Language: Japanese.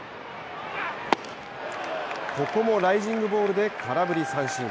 ここもライジングボールで空振り三振。